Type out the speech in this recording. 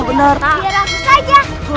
biar aku saja